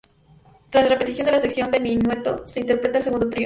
Tras la repetición de la sección de minueto, se interpreta el segundo trio.